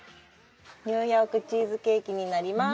ニューヨークチーズケーキになります。